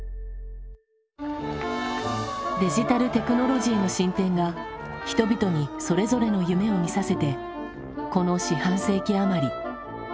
デジタルテクノロジーの進展が人々にそれぞれの夢をみさせてこの四半世紀余り。